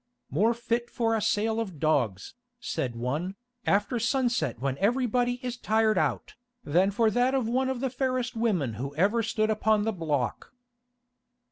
"More fit for a sale of dogs," said one, "after sunset when everybody is tired out, than for that of one of the fairest women who ever stood upon the block."